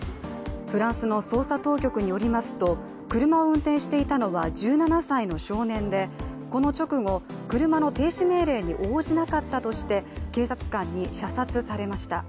フランスの捜査当局によりますと車を運転していたのは１７歳の少年でこの直後、車の停止命令に応じなかったとして、警察官に射殺されました。